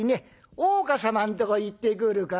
大岡様のとこ行ってくるから」。